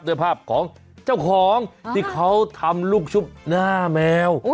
ด้วยภาพของเจ้าของที่เขาทำลูกชุบหน้าแมว